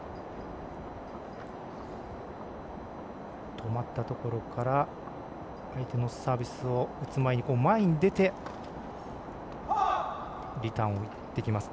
止まったところから相手のサービスを打つ前に前に出てリターンを打ってきます。